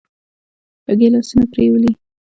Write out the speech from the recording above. ګيلاسونه پرېولي.